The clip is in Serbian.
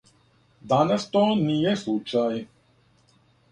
Данас то није случај.